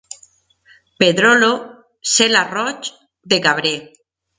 Pedrolo, ce la Roig, de Cabré.